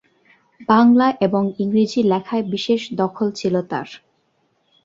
বাংলা এবং ইংরেজি লেখায় বিশেষ দখল ছিল তার।